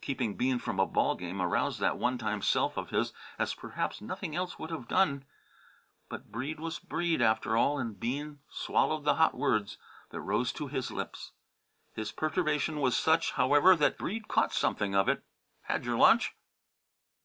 Keeping Bean from a ball game aroused that one time self of his as perhaps nothing else would have done. But Breede was Breede, after all, and Bean swallowed the hot words that rose to his lips. His perturbation was such, however, that Breede caught something of it. "Hadjer lunch?"